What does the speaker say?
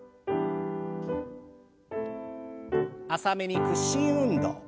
浅めに屈伸運動。